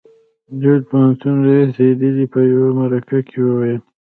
د يل پوهنتون رييس هيډلي په يوه مرکه کې وويل.